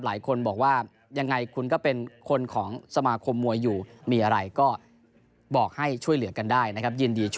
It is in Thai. หลายคนบอกว่ายังไงคุณก็เป็นคนของสมาคมมวยอยู่มีอะไรก็บอกให้ช่วยเหลือกันได้นะครับ